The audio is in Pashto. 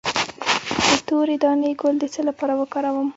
د تورې دانې ګل د څه لپاره وکاروم؟